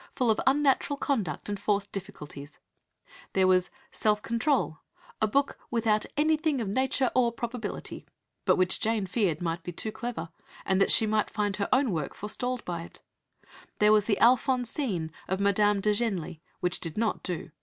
full of unnatural conduct and forced difficulties"; there was Self Control, a book "without anything of nature or probability," but which Jane feared might be "too clever," and that she might find her own work forestalled by it; there was the Alphonsine of Madame de Genlis, which "did not do.